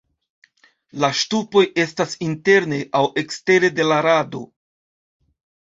La ŝtupoj estas interne aŭ ekstere de la rado.